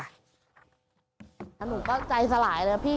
หนูก็ใจสลายเลยครับพี่